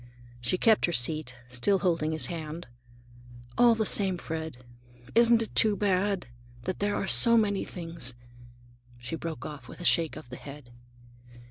She kept her seat, still holding his hand. "All the same, Fred, isn't it too bad, that there are so many things—" She broke off with a shake of the head.